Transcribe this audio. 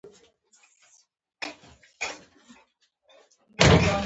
زړه د نېکۍ رغنده ده.